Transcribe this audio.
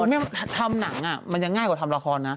ไม่ทำหนังมันยังง่ายกว่าทำละครนะ